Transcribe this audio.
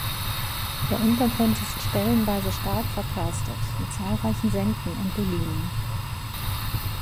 Der Untergrund ist stellenweise stark verkarstet, mit zahlreichen Senken und Dolinen.